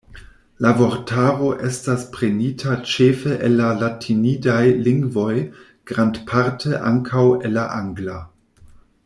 La vortaro estas prenita ĉefe el la latinidaj lingvoj, grandparte ankaŭ el la angla.